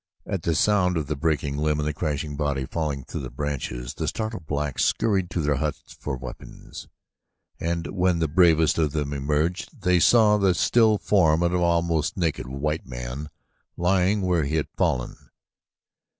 At the sound of the breaking limb and the crashing body falling through the branches the startled blacks scurried to their huts for weapons, and when the braver of them emerged, they saw the still form of an almost naked white man lying where he had fallen.